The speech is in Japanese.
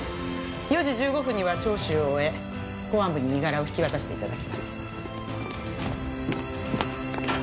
４時１５分には聴取を終え公安部に身柄を引き渡して頂きます。